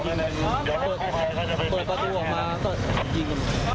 จะยิงเปิดประตูออกมาแล้วก็ยิง